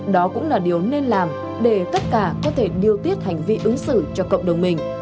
đó cũng là điều nên làm để tất cả có thể điều tiết hành vi ứng xử cho cộng đồng mình